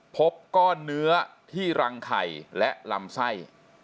พบก้อนเนื้อที่รังไข่และลำไส้